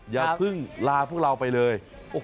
อย่าเพิ่งลาพวกเราไปเลย